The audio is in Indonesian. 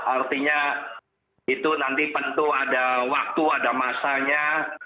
artinya itu nanti tentu ada waktu ada masanya